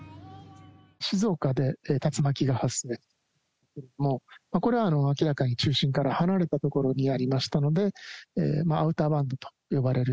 静岡で竜巻が発生したんですけれども、これは明らかに中心から離れた所にありましたので、アウターバンドと呼ばれる。